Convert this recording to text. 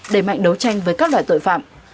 đầy mạnh đấu tranh với các loại tội phạm